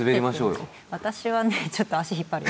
私はねちょっと足引っ張る。